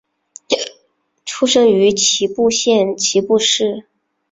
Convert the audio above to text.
出身于岐阜县岐阜市。